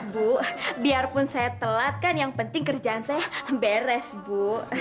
bu biarpun saya telat kan yang penting kerjaan saya beres bu